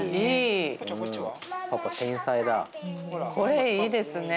これいいですね。